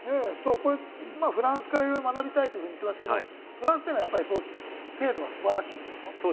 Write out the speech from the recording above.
フランスからいろいろ学びたいと言っていますけれども、フランスは制度が素晴らしいんですか？